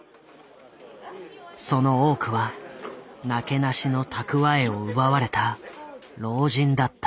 その多くはなけなしの蓄えを奪われた老人だった。